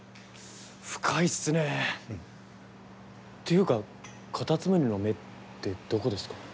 深いっすね。と言うか、かたつむりの目ってどこですか？